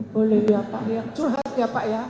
boleh ya pak ya